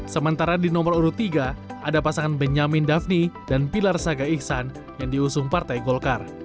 sementara di nomor urut tiga ada pasangan benyamin daphne dan pilar saga iksan yang diusung partai golkar